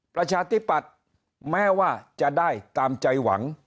ประชาธิปัตย์แม้ว่าจะได้ตามใจหวัง